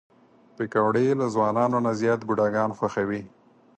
پکورې له ځوانانو نه زیات بوډاګان خوښوي